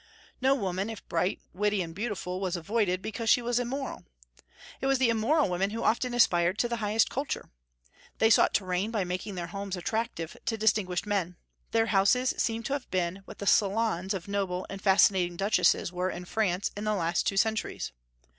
No woman, if bright, witty, and beautiful, was avoided because she was immoral. It was the immoral women who often aspired to the highest culture. They sought to reign by making their homes attractive to distinguished men. Their houses seem to have been what the salons of noble and fascinating duchesses were in France in the last two centuries.